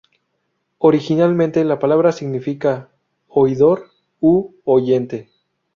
Originalmente la palabra significa "oidor" u "oyente".